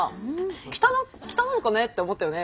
北北なのかなって思ったよね？